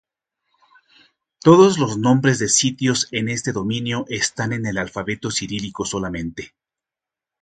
Todos los nombres de sitios en este dominio están en el alfabeto cirílico solamente.